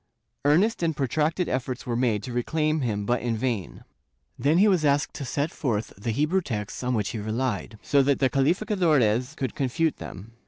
Earnest and protracted efforts were made to reclaim him but in vain. Then he was asked to set forth the Hebrew texts on which he relied, so that the calificadores could confute them.